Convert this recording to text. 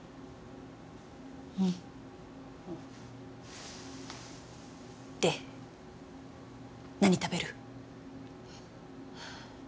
うんで何食べる？